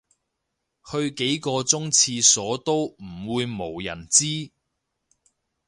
去幾個鐘廁所都唔會無人知